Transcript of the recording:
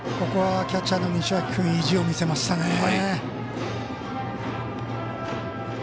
キャッチャーの西脇君意地を見せましたね。